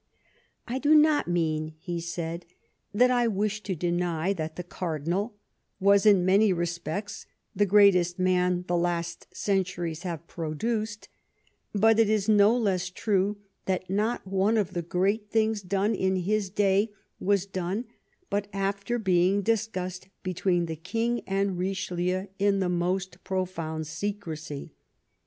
" I do not mean, '' he said, '' that I wish to deny that the Cardinal was in many respects the greatest man the last centuries have produced, but it is no less true that not one of the great things done in his day was done but after being discussed between the King and Richelieu in the most profound secrecy.